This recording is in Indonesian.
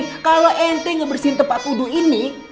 nih kalau ente ngebersihin tempat wudhu ini